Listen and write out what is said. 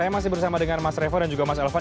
saya masih bersama dengan mas revo dan juga mas elvan